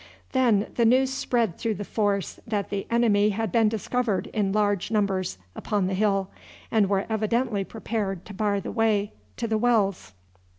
Then the news spread through the force that the enemy had been discovered in large numbers upon the hill, and were evidently prepared to bar the way to the wells.